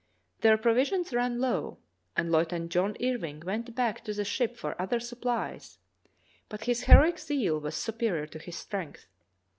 Their provisions ran low and Lieutenant John Irving went back to the ship for other supplies, but his heroic zeal was superior to his strength.